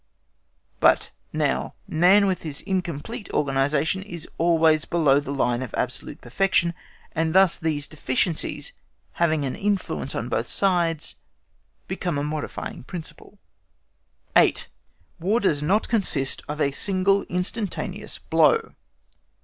But, now, man with his incomplete organisation is always below the line of absolute perfection, and thus these deficiencies, having an influence on both sides, become a modifying principle. 8. WAR DOES NOT CONSIST OF A SINGLE INSTANTANEOUS BLOW.